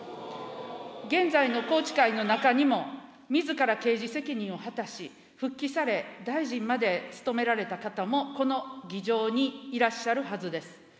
現在の宏池会の中にもみずから刑事責任を果たし、復帰され、大臣まで務められた方もこの議場にいらっしゃるはずです。